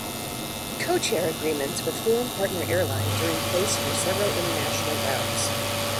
Codeshare agreements with foreign partner airlines are in place for several international routes.